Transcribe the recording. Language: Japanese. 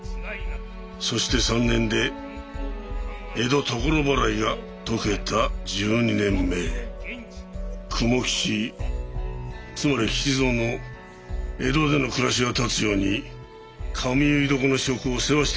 そして３年で江戸所払いが解けた１２年前蜘蛛吉つまり吉蔵の江戸での暮らしが立つように髪結い床の職を世話してやったんじゃないのか？